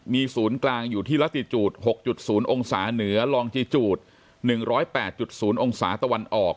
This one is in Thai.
มีศูนย์กลางอยู่ที่ลาติจูด๖๐องศาเหนือลองจีจูด๑๐๘๐องศาตะวันออก